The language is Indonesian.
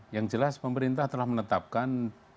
yang jelas pemerintah telah menetapkan